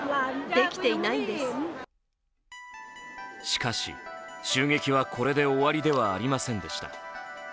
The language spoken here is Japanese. しかし、襲撃はこれで終わりではありませんでした。